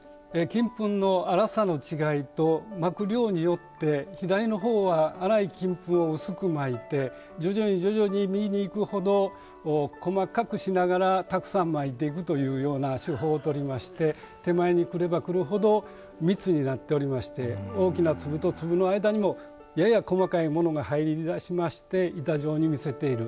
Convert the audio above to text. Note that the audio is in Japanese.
金粉の粗さの違いと蒔く量によって左の方は粗い金粉を薄く蒔いて徐々に徐々に右に行くほど細かくしながらたくさん蒔いていくというような手法をとりまして手前に来れば来るほど密になっておりまして大きな粒と粒の間にもやや細かいものが入りだしまして板状に見せている。